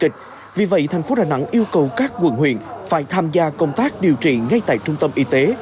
các quận huyện phải tham gia công tác điều trị ngay tại trung tâm y tế